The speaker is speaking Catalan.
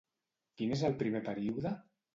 Quin és el primer període?